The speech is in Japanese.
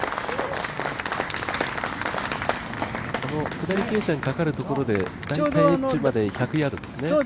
下り傾斜にかかるところでちょうどエッジまで１００ヤードですね。